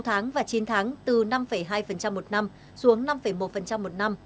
sáu tháng và chín tháng từ năm hai một năm xuống năm một một năm